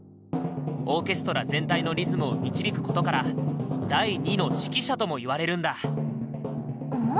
オーケストラ全体のリズムを導くことから「第２の指揮者」とも言われるんだ。